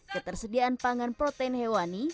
ketersediaan pangan protein hewani